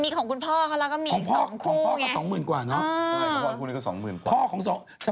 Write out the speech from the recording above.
มีอะไรยูเหมือนปว่างเลย